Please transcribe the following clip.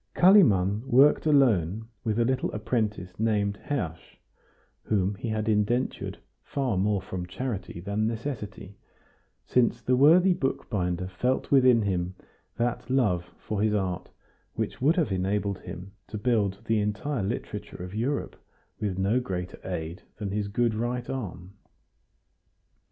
Kalimann worked alone with a little apprentice named Hersch, whom he had indentured far more from charity than necessity, since the worthy bookbinder felt within him that love for his art which would have enabled him to bind the entire literature of Europe with no greater aid than his good right arm.